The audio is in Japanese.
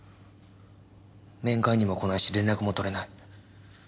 面会にも来ないし連絡も取れない。